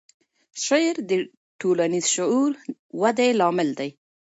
شعر د ټولنیز شعور ودې لامل دی.